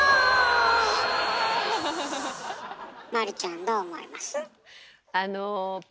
マリちゃんどう思います？